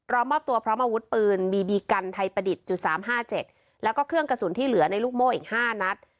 มอบตัวพร้อมอาวุธปืนบีบีกันไทยประดิษฐ์จุด๓๕๗แล้วก็เครื่องกระสุนที่เหลือในลูกโม่อีก๕นัด